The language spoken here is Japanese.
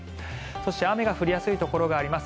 そして、雨が降りやすいところがあります。